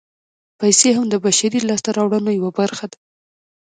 پیسې هم د بشري لاسته راوړنو یوه برخه ده